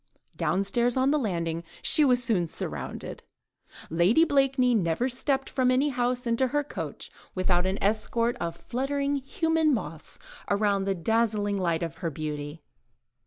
Downstairs on the landing she was soon surrounded. Lady Blakeney never stepped from any house into her coach, without an escort of fluttering human moths around the dazzling light of her beauty.